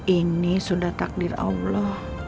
ini sudah takdir allah